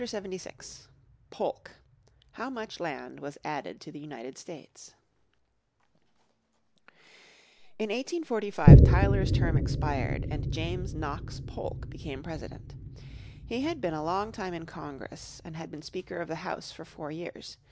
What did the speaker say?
__________ Chapter 76 Polk How Much Land Was Added to the United States In 1845 Tyler's term expired and James Knox Polk became President. He had been a long time in Congress, and had been Speaker of the House for four years.